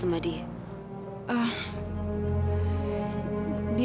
kalau di varik